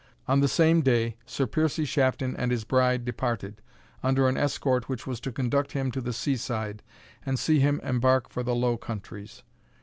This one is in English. On the same day Piercie Shafton and his bride departed, under an escort which was to conduct him to the sea side, and see him embark for the Low Countries.